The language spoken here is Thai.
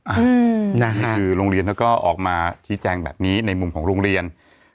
อันนี้คือโรงเรียนเขาก็ออกมาชี้แจงแบบนี้ในมุมของโรงเรียน